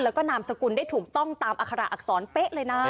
แล้วก็นามสกุลได้ถูกต้องตามอัคระอักษรเป๊ะเลยนะ